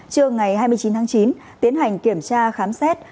trưa ngày hai mươi chín tháng chín tiến hành kiểm tra khám xét